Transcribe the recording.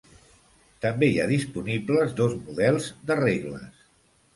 També hi ha disponibles dos models de regles.